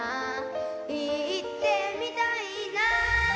「いってみたいな」